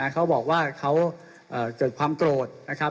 เขาบอกว่าเขาเกิดความโกรธนะครับ